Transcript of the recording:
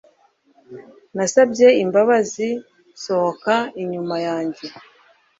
Nasabye imbabazi, sohoka inyuma yanjye